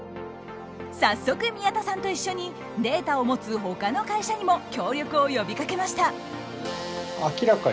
早速宮田さんと一緒にデータを持つほかの会社にも協力を呼びかけました。